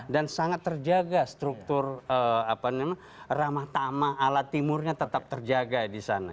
dan sangat terjaga struktur ramah tamah ala timurnya tetap terjaga di sana